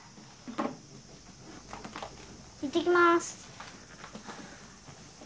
行ってきます。